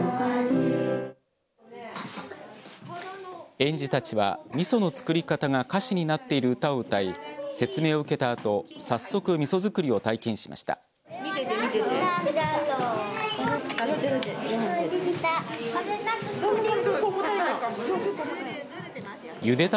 園児たちは、みそをの作り方が歌詞になっている歌を歌い説明を受けたあと早速みそ作りを体験しました。